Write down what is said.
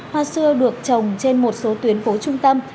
hoa xưa được trồng trên một số tuyến phố trung tâm